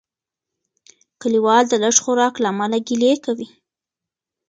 کلیوال د لږ خوراک له امله ګیلې کوي.